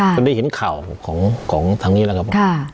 ก็ได้เห็นข่าวของทางนี้แล้วครับผม